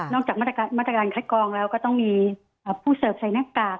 จากมาตรการคัดกรองแล้วก็ต้องมีผู้เสิร์ฟใส่หน้ากาก